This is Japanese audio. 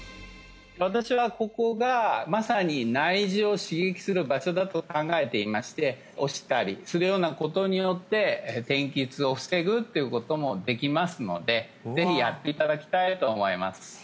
私はここがまさに内耳を刺激する場所だと考えていまして押したりするようなことによって天気痛を防ぐっていうこともできますのでぜひやっていただきたいと思います